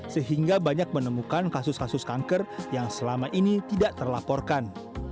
sehingga banyak menemukan kasus kasus kanker yang selama ini tidak terlaporkan